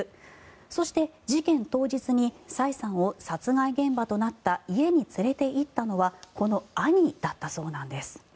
そして、事件当日にサイさんを殺害現場となった家に連れていったのはこの兄だったそうなんです。